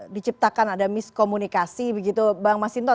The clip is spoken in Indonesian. diciptakan ada miskomunikasi begitu bang mas hinton